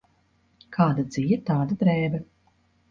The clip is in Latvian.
Kāda dzija, tāda drēbe.